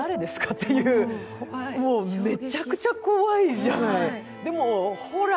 っていう、めちゃくちゃ怖いじゃない。